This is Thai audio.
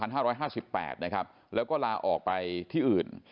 ในช่วงประมาณปี๒๕๕๘นะครับแล้วก็ลาออกไปที่อื่น